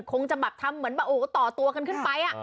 คงจะบับทำเหมือนต่อตัวขึ้นไป